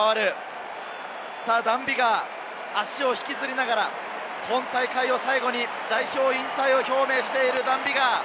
ダン・ビガー、足を引きずりながら、今大会を最後に代表引退を表明しているダン・ビガー。